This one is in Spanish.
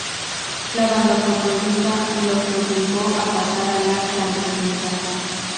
La banda fue prohibida, lo que obligó a pasar a la clandestinidad.